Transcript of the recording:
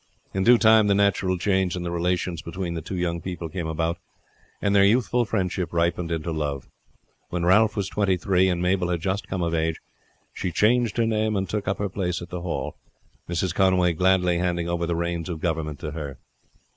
In due time the natural change in the relations between the two young people came about, and their youthful friendship ripened into love. When Ralph was twenty three, and Mabel had just come of age, she changed her name and took up her place at the Hall, Mrs. Conway gladly handing over the reins of government to her.